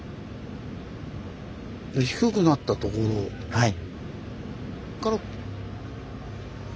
はい。